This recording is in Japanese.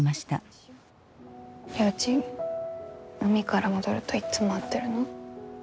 りょーちん海から戻るといっつも会ってるの？